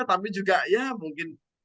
tapi juga ya mungkin